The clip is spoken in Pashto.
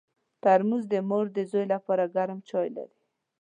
ترموز د مور د زوی لپاره ګرم چای لري.